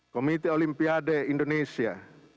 komite olimpiade indonesia